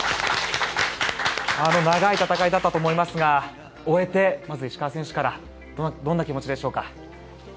長い戦いだったと思いますが終えて、まず石川選手からどんな気持ちでしょうか。